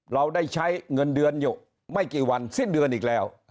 เราได้ใช้เงินเดือนอยู่ไม่กี่วันสิ้นเดือนอีกแล้ว